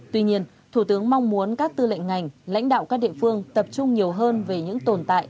tuy nhiên thủ tướng mong muốn các tư lệnh ngành lãnh đạo các địa phương tập trung nhiều hơn về những tồn tại